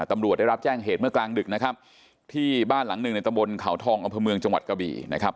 ตำรวจได้รับแจ้งเหตุเมื่อกลางดึกนะครับที่บ้านหลังหนึ่งในตำบลเขาทองอำเภอเมืองจังหวัดกะบี่นะครับ